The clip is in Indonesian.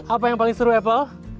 apa yang paling seru apple